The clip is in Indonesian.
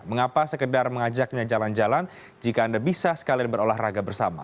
mengapa sekedar mengajaknya jalan jalan jika anda bisa sekalian berolahraga bersama